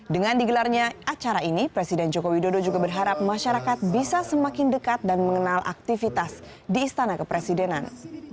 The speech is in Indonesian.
dengan digelarnya acara ini presiden joko widodo juga berharap masyarakat bisa semakin dekat dan mengenal aktivitas di istana kepresidenan